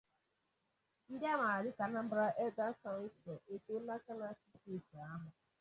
ndị a maara dịka 'Anambra Elders Council' etòóla aka na-achị steeti ahụ